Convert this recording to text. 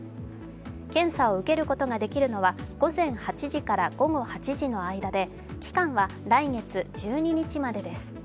検査を受けることができるのは午前８時から午後８時の間で期間は来月１２日までです。